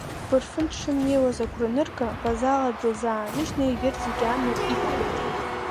Бырфын дшымнеиуаз агәра анырга Базала дылзааныжьны егьырҭ зегьы амҩа иқәлеит.